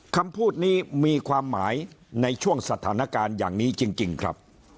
คำพูดนี้มีความหมายในช่วงสถานการณ์อย่างนี้จริงครับ